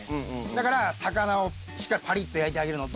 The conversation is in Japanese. だから魚をしっかりパリッと焼いてあげるのと。